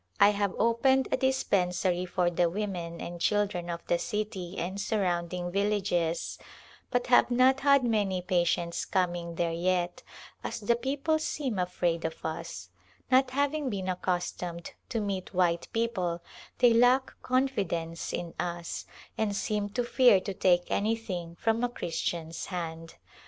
I have opened a dispen sary for the women and children of the city and sur rounding villages, but have not had many patients coming there yet, as the people seem afraid of us ; not having been accustomed to meet white people they lack confidence in us, and seem to fear to take any thing from a Christian's hand.